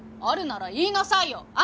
あるなら言いなさいよ。